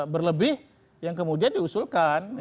berlebih yang kemudian diusulkan